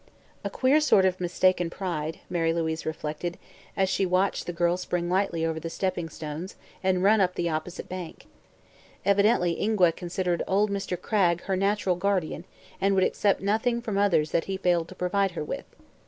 A queer sort of mistaken pride, Mary Louise reflected, as she watched the girl spring lightly over the stepping stones and run up the opposite bank. Evidently Ingua considered old Mr. Cragg her natural guardian and would accept nothing from others that he failed to provide her with.